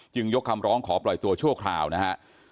จึงยกคำร้องขอปล่อยรู้ตัวช่วงข้าง